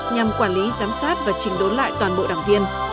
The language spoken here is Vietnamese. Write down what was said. nhằm quản lý giám sát và trình đốn lại toàn bộ đảng viên